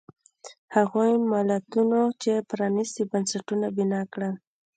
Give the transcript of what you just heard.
هغو ملتونو چې پرانیستي بنسټونه بنا کړل.